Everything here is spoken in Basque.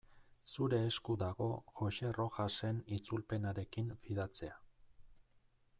Zure esku dago Joxe Rojasen itzulpenarekin fidatzea.